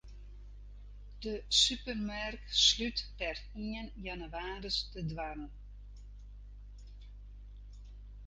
De supermerk slút per ien jannewaris de doarren.